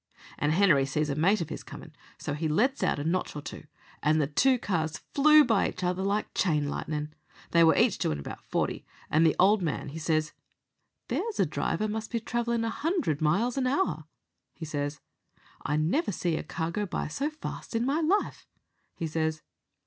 "And Henery sees a mate of his comin', so he lets out a notch or two, and the two cars flew by each other like chain lightnin'. They were each doin' about forty, and the old man, he says, 'There's a driver must be travellin' a hundred miles an hour,' he says. 'I never see a car go by so fast in my life,' he says.